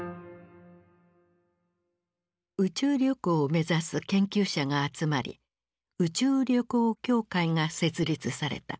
宇宙旅行を目指す研究者が集まり宇宙旅行協会が設立された。